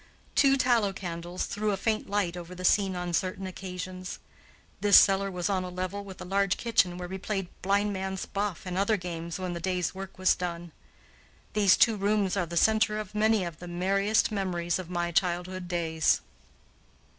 Two tallow candles threw a faint light over the scene on certain occasions. This cellar was on a level with a large kitchen where we played blind man's buff and other games when the day's work was done. These two rooms are the center of many of the merriest memories of my childhood days.